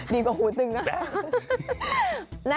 กว่าหูตึงนะ